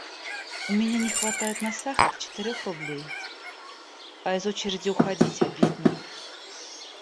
У меня не хватает на сахар четырех рублей, а из очереди уходить обидно.